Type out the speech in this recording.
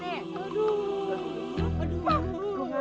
eh kalau arwah makanya takut pendungan